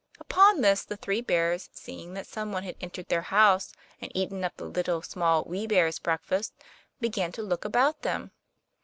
Upon this the three bears, seeing that some one had entered their house, and eaten up the Little, Small, Wee Bear's breakfast, began to look about them.